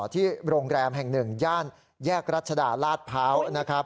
ที่โรงแรมแห่งหนึ่งย่านแยกรัชดาลาดพร้าวนะครับ